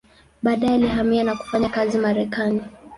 Baadaye alihamia na kufanya kazi Marekani.